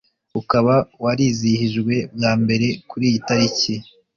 ukaba warizihijwe bwa mbere kuri iyi tariki